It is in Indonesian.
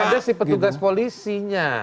ada si petugas polisinya